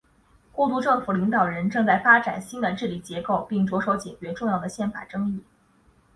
过渡政府领导人正在发展新的治理结构并着手解决重要的宪法争议。